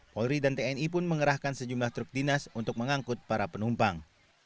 polri dan tni pun mengerahkan sejumlah truk dinas untuk mengangkut para penumpang